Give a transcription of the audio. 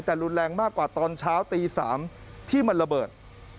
แต่รุนแรงมากกว่าตอนเช้าตี๓ที่มันระเบิด